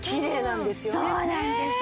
そうなんです。